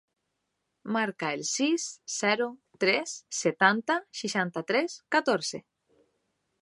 Marca el sis, zero, tres, setanta, seixanta-tres, catorze.